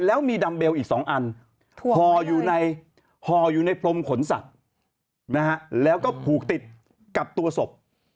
แล้วมีดำเบลอีกสองอันหออยู่ในพรมขนสัตว์แล้วก็ผูกติดกับตัวศพ